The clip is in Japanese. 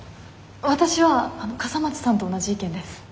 わたしは笠松さんと同じ意見です。